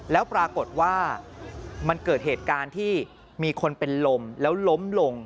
แล้วปรากฏว่ามันเกิดเหตุการณ์ที่มีคนเป็นลมแล้วล้มลง